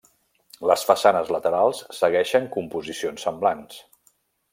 Les façanes laterals segueixen composicions semblants.